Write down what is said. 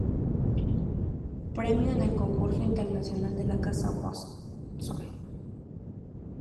Premio en el Concurso Internacional de la Casa Watson.